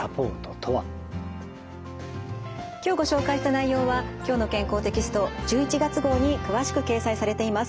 今日ご紹介した内容は「きょうの健康」テキスト１１月号に詳しく掲載されています。